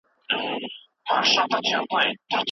زولانه د خپل ازل یمه معذور یم